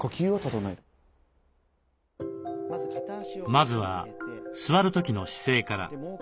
まずは座る時の姿勢から。